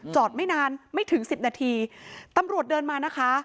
ไม่นานไม่ถึงสิบนาทีตำรวจเดินมานะคะ